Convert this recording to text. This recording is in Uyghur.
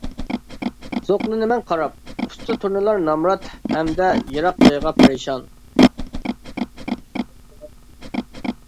زوقلىنىمەن قاراپ، ئۇچسا تۇرنىلار نامرات ھەمدە يىراق جايغا پەرىشان.